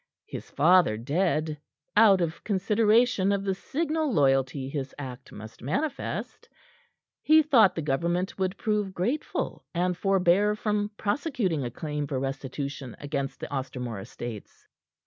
His father dead, out of consideration of the signal loyalty his act must manifest, he thought the government would prove grateful and forbear from prosecuting a claim for restitution against the Ostermore estates.